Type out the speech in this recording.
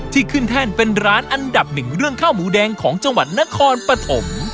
ที่ขึ้นแท่นเป็นร้านอันดับหนึ่งเรื่องข้าวหมูแดงของจังหวัดนครปฐม